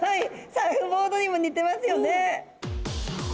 サーフボードにも似てますよね。